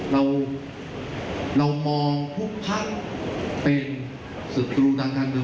เรามองทุกพักษ์เป็นสุดตรูทางการเงิน